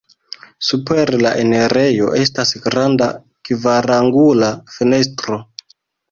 Super la enirejo estas granda kvarangula fenestro.